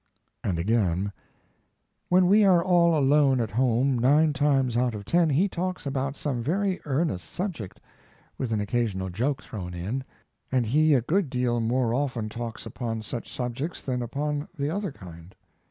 And again: When we are all alone at home nine times out of ten he talks about some very earnest subject (with an occasional joke thrown in), and he a good deal more often talks upon such subjects than upon the other kind.